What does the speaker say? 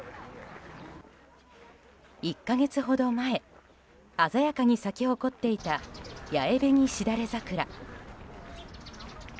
１か月ほど前鮮やかに咲き誇っていたヤエベニシダレザクラ。